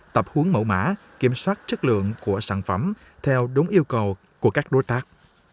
tập hướng mẫu mã kiểm soát chất lượng của sản phẩm theo đúng yêu cầu của các đối tác